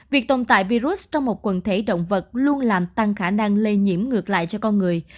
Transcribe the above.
việc tồn tại virus trong một quần thể động vật luôn làm tăng khả năng lây nhiễm ngược lại cho con người